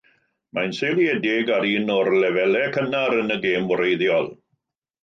Mae'n seiliedig ar un o'r lefelau cynnar yn y gêm wreiddiol.